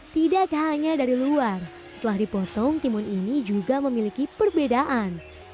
tidak hanya dari luar setelah dipotong timun ini juga memiliki perbedaan